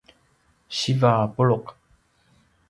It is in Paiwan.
siva a puluq